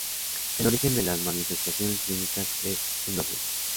El origen de la manifestaciones clínicas es endógeno.